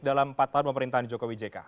dalam empat tahun pemerintahan jokowi jk